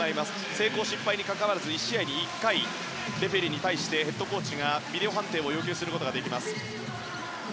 成功・失敗にかかわらず１試合に１回レフェリーに対してヘッドコーチがビデオ判定を要求することができます。